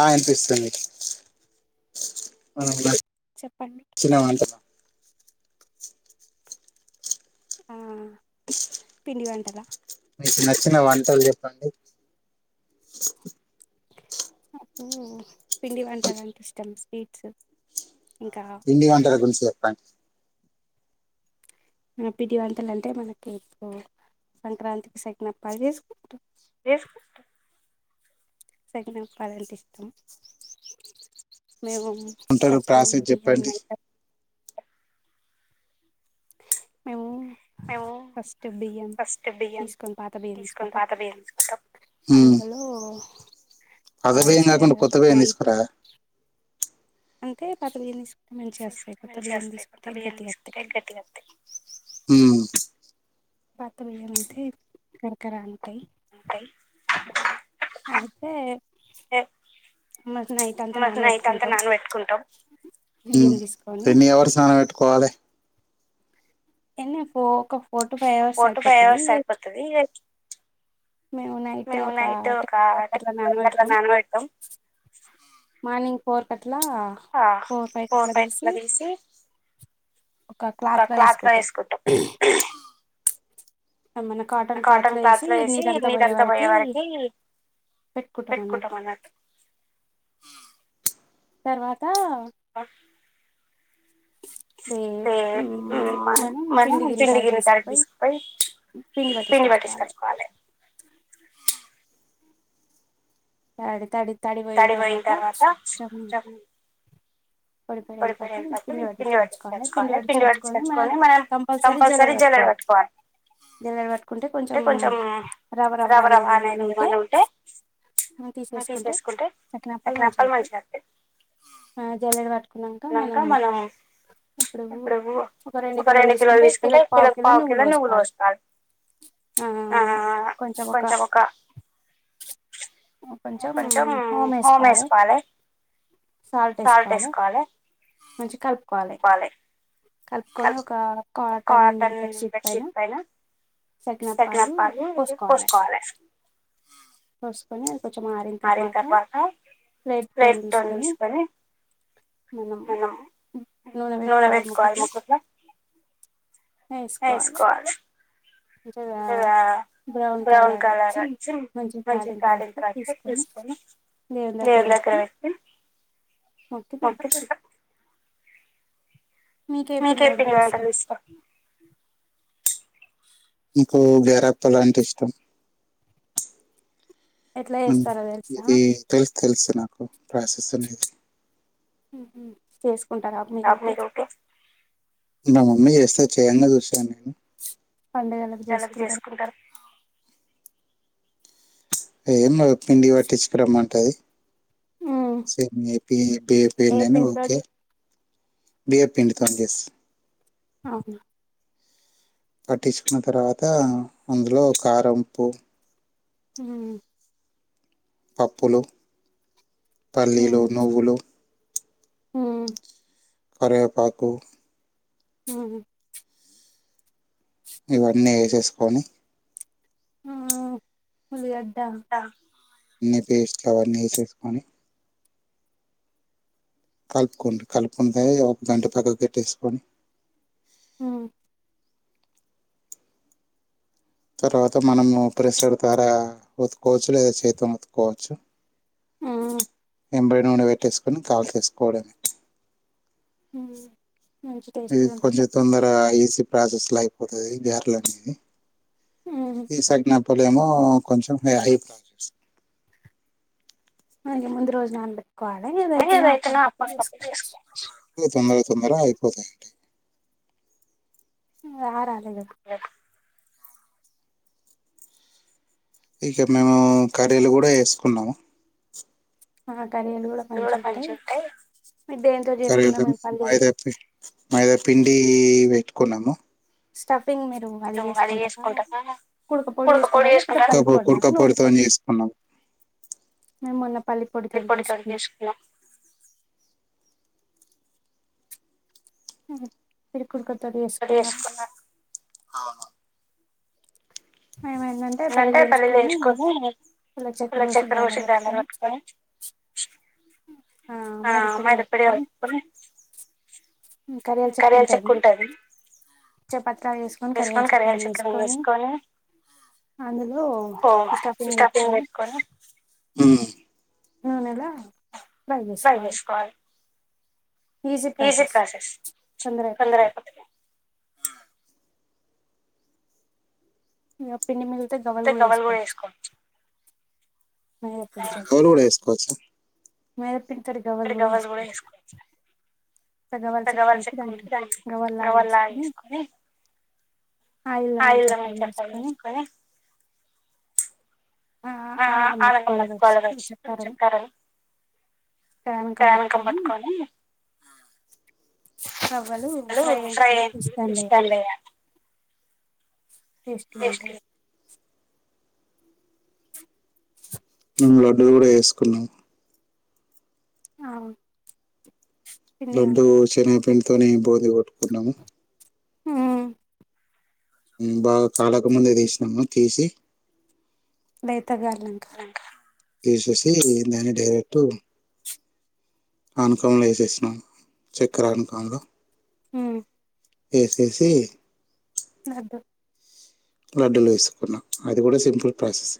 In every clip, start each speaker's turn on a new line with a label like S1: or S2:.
S1: ఆ వినిపిస్తుంది ఉమ్ చినమాంత
S2: ఆ పిండి వంటలా
S1: మీకు నచ్చిన వంటలు చెప్పండి
S2: నాకు పిండి వంటలంటే ఇష్టం స్వీట్స్
S1: పిండి వంటల గురించి చెప్పండి
S2: మన పిండి వంటలు అంటే మనకి ఎక్కువ సంక్రాంతికి సకినప్పాలు చేసుకుంటారు
S1: ఏసుకో
S2: సకినప్పలు అంటే ఇష్టం మేము ఫస్టు బియ్యం నై మేము ఫస్ట్ బియ్యం తీసుకొని పాత బియ్యం తీసుకుంటాం అందులో
S1: పాత బియ్యం కాకుండా కొత్త బియ్యం తీసుకోరా
S2: అంతే పాత బియ్యం
S1: ఉమ్
S2: పాత బియ్యం అయితే గరక రాదు అయి అయితే
S1: నైట్ అంత నానబెట్టుకుంటాం ఉమ్ ఎన్ని అవర్స్ నాన పెట్టుకోవాలి
S2: ఎన్ని ఫో ఒక ఫోర్ టు ఫైవ్ అవర్స్ సయిపోతది ఇ మేము నైట్ ఒక టెన్ వరకు అట్లా నానబెడతాం మార్నింగ్
S1: ప్చ్ ఆ ఫోర్ ప్యాకెట్లో తీసి ఒక క్లాత్ లో వేసుకుంటాం
S2: మన కాటన్ క్లాత్ లో వేసి నీరు అంతా పోయే వరికి పెట్టుకుంటాం అన్నట్టు
S1: ఆ
S2: తర్వాత
S1: ఓ ఉమ్ మ మనం పిండి మెషిన్ కాటికి తీసుకుపోయి పిండి కొట్టిచ్చుకోవాలే
S2: తడి తడి తడిపోయిన తర్వాత [unintelligible]
S1: పడిపోయిన తర్వాత పిండి కొట్టిచ్చుకోవాలి పిండి కొట్టిచ్చుకొని మనం కంపల్సరీ జల్లెడ పట్టు కోవాలి
S2: జల్లెడ పట్టుకుంటే కొంచెం రవ్వ రవ్వ అనేది ఏమన్నా ఉంటే ఉమ్ తీసేసుకుంటే అట్లా అప్పలు మంచిగ వస్తాయి ఆ జల్లెలు పట్టుకున్నాంక మనము
S1: ఇప్పుడు ఒక రెండు కిలోలు తీసుకుంటే కిలో పావు కిలో నువ్వులు పోసుకోవాలి ఆ కొంచెం ఒక కొంచెం హోమ్ వేసుకోవాలి సాల్ట్ వేసుకోవాలి కలపాలి
S2: కలుపుకొని ఒక కాటన్ బెడ్షీట్ పైన సకినప్పాల పోసుకోవాలి పోసుకోవ కొంచెం ఆరిన తర్వాత రెడ్ టోన్ తీసుకొని మనము నూనె పెట్టుకోవాలి ముఖం లో
S1: వేసుకోవాలి అంతే బ్రౌన్ కలర్ వచ్చి మంచిగా కాడిి న్ తర్వాత తీసుకొని ఎలా కరెక్షన్
S2: ఓక్కటేనా
S1: మీకెఎంటి అంత విస్వ మికు గార అంత్త లా ఇష్టంమ్ మ్ ఇది తెలుసు తెలుసు నాకు ప్రాసెస్ అనేది
S2: కోస్
S1: నా మమ్మీ చేస్త అది చెయంగ చూస్తదఅండి
S2: పండుగులఅకు తీసుకు ఉంటారు
S1: ఏమ్ మగు పిండి పట్టించుకోరామంటఅది సేమ్ ఎపిఎపి ఏ పిండి అయిన ఓకే బియ్యప్ పిండితో అర్ సేస్
S2: అవు
S1: పట్టించుకుఉన్న తర్వాత అందులో కారం ఉప్పు
S2: అ
S1: పప్పులు పల్లీలు నువ్వులు
S2: ఆ
S1: కరేపాఆకు
S2: ఆహ్
S1: ఇవ అన్నీ వేసేస్కొని
S2: ఆ ఉల్లిగడ్
S1: డ్డా అన్ని పేస్ట్ కవర్ ని ఏసేస్ కొని కలుపుకోండి కలుపుకుంటే ఒక గంట పగ పెట్టేసుకొని
S2: ఆ
S1: తర్వాత మనము ప్రెసర్ తార ఒతుక్కోవ అచ్చు లేదా చేైతం ఉతుకోవ అచ్చు
S2: ఆ
S1: ఎమ్ బోయిన నువ్వే తెచ్చుకొని కాల్ చేసుకోవడఅమే
S2: ఉహు
S1: ఇది కొంచెం తొందఅరా ఈజీ ప్రాసెస్ లో అయిపోత అది గర్ ల అని ఈ సగ్గ్నఅప్పులు ఏమో కొంచెమ్ ఏ ఐ
S2: అ ఏ ముందు రోజు నాన్ దే
S1: అదే ఈ నైతుల్ నా [unintelligible] చేసుకోవచ్చు సుందరా అయిపోతాయ ఎంటి
S2: రా రాలేదఅమ్మ
S1: ఇక మేము కర్రీలు కూడా వేసుకుఉన్నాము
S2: తగద్
S1: ఇది కూడా పంన్చ్చుం ఉంటాయి సరే అయితే మైదాపి మైదాపిండి పెట్టుకున్నాము
S2: ప్పింగ్ మీరు అది చేసుకుఉంటారా కుడ్ క పొడి వేసుకుంటారా లేక పోతే పల్లెపోడియా ఊనూల్ ప మేమ్ మొన్న పల్లెపొడితొనే చేసుకుఉన్నామ్ మీరు కుడుకోత్తది వేసుకుఉన్నారు
S1: అవును ఇగ అంటే పళ్లిలు ఎయిచుకొని ఇలా చప్పిరు ఉషు [inaudible] దాన్ని పట్టుకొని ష్ ఆ అమ్మయి దిప్పుడే ఆయ్ పెట్కొని
S2: మ్ కర్రీస్ ఎక్కువ్ ఉంటఅది చపక్ర వేసుకొని కర్రిల్స్ చికెన్ వేసుకొని అందులో స్ట్రఫింగ్ పెట్టుకొని ఈ నెల
S1: ప్రై చేస్కోవాలి
S2: ఈజీ ప్రాసెస్ తొందర అయిపోతుంది ఇక పిండి మిగిలితే గవలు కూడా వేసుకోవచ్చు మైదా పిండి తోని మేద పిండి గవలు కూడా వేసుకోవచ్చు గవాలు చెక్కు ఉంటే దాన్ని గవల్లా వేసుకొని
S1: ఆయిల్లొ వేసుకొని ఆ ఆనగమ్మ కోడలు వచ్చి చెప్పారని ప్రయాణకం పట్టుకొని
S2: సవ్వలు ఫ్రై అయి చూస్తాంలే టేస్టీ ఉంటాయి
S1: మేము బ్లడ్డు కూడా వేసుకున్నాం
S2: ఆ
S1: లడ్డుూ శనగ పండితోనే బొంది కొట్టుకున్నాము
S2: హ
S1: బాగా కలకముందే తీసినాము తీసి
S2: మెత్తగయ్యక
S1: [unintelligible] అనుకంలో వసేస్తుినను చక్కెర అనుకాంలో
S2: హ్మ్
S1: ఏసీసీ
S2: కాదు
S1: లడ్డలు వేసుకున్నాం అది కూడా సింపుల్ ప్రాసెస్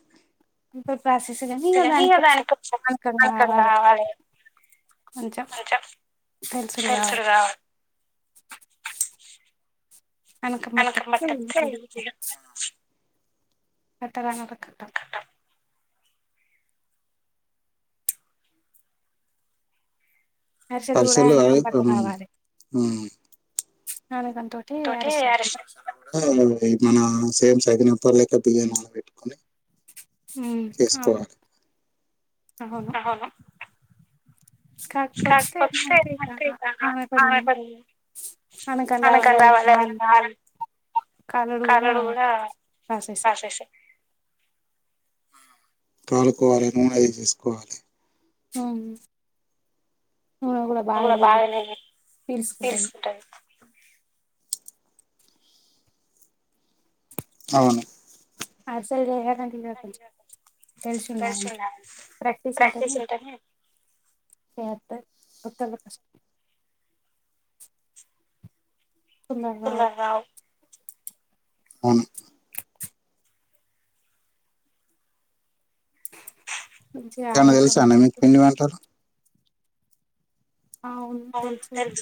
S1: [unintelligible] [unintelligible] తెల్సురు కావలె
S2: అనుక మట్టతే అట్టవాన ఒకడు
S1: పరిసలు గా అది ఉమ్ ఇంకోటి అరిసె ఇది మన సేమ్ తగిన పర్లేక బియ్యం నానపెట్టుకొని చేసుకోవాలి అవునా కాకపోతే ఏంటంటే ఇక ఆ [unintelligible] అనకంగా వాళ్ళు వేశారు కలడు కూడా రాసేసేయ్ కలుపుకోవాలి నూనె అవి చేసుకోవాలి
S2: ఉమ్ నూనె కూడా బాగానే పీలుసుకుంటది
S1: అవును
S2: అరిసెలు చేయ ఐడియా కొంచం తెలిసి ఉండాలి ప్రాక్టీస్ ఉంటేనే చెత్తది కొత్తలో కష్టం
S1: పుల్లలు రావు అవును ఏమన్నా తెలుసా అండి మీకి పిండి వంటలు
S2: ఆ అవును తెలుసుండి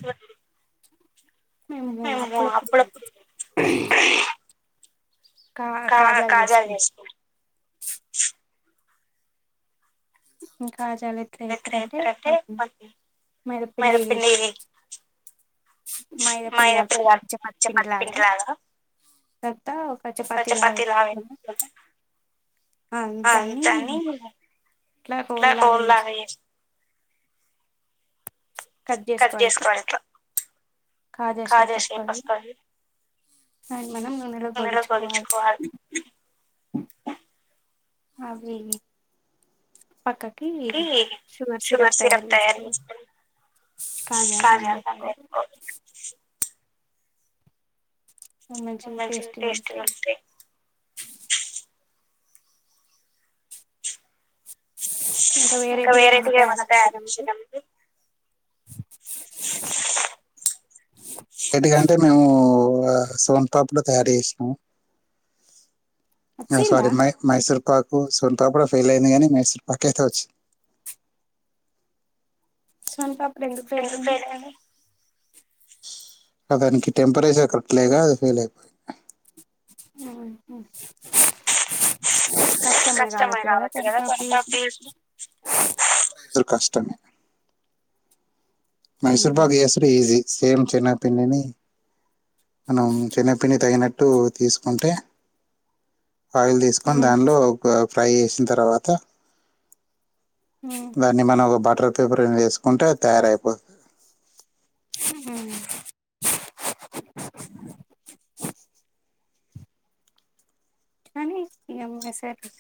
S2: మేము అప్పుడప్పుడు
S1: కా కాజాలు చేసుకుంటాం
S2: ఇంకా ఆ కాజాలు ఎట్ల్ ఏతరంటే మన్ మైదా పిండి మైదా పిండి కల్ప్ మంచిగా పత్పిండిలాగా తా ఒక చప్పతి లాగా ఎత్కొని అందని ట్లా పోన్ లాగ్ ఏస్
S1: కడ్ జేసుకో ఇట్లా కాజేచెయ్ పస్ట్ అవి ఇనులో బోలిచుకోవల్
S2: అవి పక్కక్
S1: కి షుగర్ సిరప్ తయార్ ఏసుకొని కాజాల్ పండేతకో ఈ మంచిగా టేస్ట్గా వస్తయ్ ఇంకా వేరేటియ్ ఏమన్నా తయార్ జేచ్చిరా ఇవి ఎడికంటే మేము వా సోన్తప్పుడా తయారు ఏశనం ఆ సారీ మైక్ మైసూర్ పాకు సొంతపుడా ఫెలైంది గానీ మైసూరు పాకకైతే వచ్చి
S2: సోన్ పాప్పుడు ఎందుకు ఫెలైన్నాయ్
S1: ఆ దానికి టెంపరేచర్ కరెక్ట్ లేగా అది ఫెయిల్ అయిపోయ్
S2: నాహా
S1: కష్టమే గావట్ గదా కొంచెం ఫెసడూ కష్టమే మైసూర్ బాగ్ ఏసుడు ఈజీ సేమ్ శెనగ్ పిండిని మనం శెనగ్ పిండి తగినట్టు తీసుకుంటే ఆయిల్ దిసుకొని దానిలో ఒక ఫ్రై ఏశిన్ తర్వాత దాన్ని మనం ఓ బటర్ పేపర్ మీ ఏసుకుంటే తయారైపోత్
S2: ఉహు్ కానీ ఇంగా మెస్ ఎట్ల్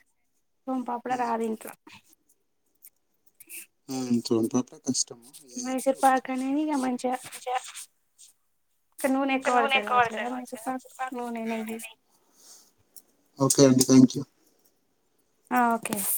S2: సోన్ పాప్పుడ రాధింట్లా టై మైసూర్ పాక్ అనేది ఇగా మంచ్య
S1: హు ఒకే అండి. థాంక్యూ
S2: ఆ ఒకేస్